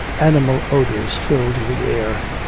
Animal odors filled the air.